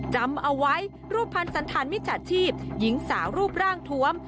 จำเอาไว้รูปภัณฑ์สันธารมิจฉาชีพหญิงสาวรูปร่างทวม